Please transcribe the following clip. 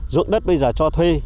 dụng đất bây giờ cho thuê